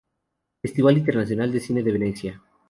Festival Internacional de Cine de Venecia.